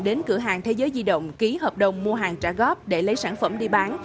đến cửa hàng thế giới di động ký hợp đồng mua hàng trả góp để lấy sản phẩm đi bán